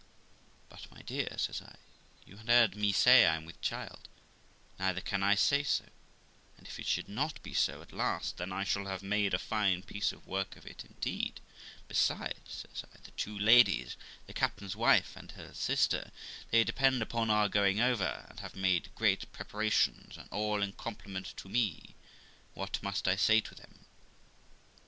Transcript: ' But, my dear ', says I, ' you ha'n't heard me say I am with child, neither can I say so ; and if it should not be so at last, then I shall have made a fine piece of work of it indeed; besides', says I, 'the two ladies, the captain's wife and her sister, they depend upon our going over, and have made great preparations, and all in compliment to me; what must I say to them?'